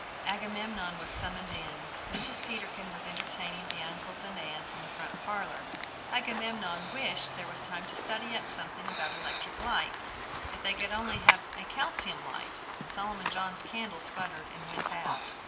Agamemnon was summoned in. Mrs. Peterkin was entertaining the uncles and aunts in the front parlor. Agamemnon wished there was time to study up something about electric lights. If they could only have a calcium light! Solomon John's candle sputtered and went out.